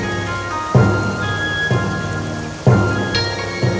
dalam ke represili bermain